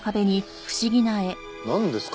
なんですか？